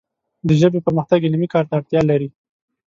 د ژبې پرمختګ علمي کار ته اړتیا لري